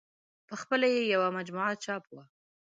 په خپله یې یوه مجموعه چاپ وه.